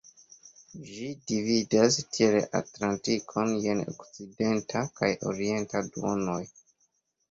Ĝi dividas tiel la Atlantikon je okcidenta kaj orienta duonoj.